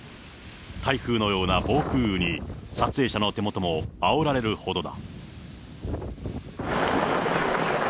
台風のような暴風に、撮影者の手元もあおられるほどだ。